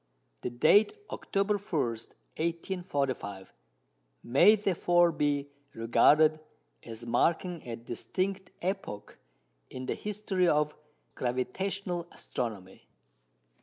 The date October 21, 1845, "may therefore be regarded as marking a distinct epoch in the history of gravitational astronomy."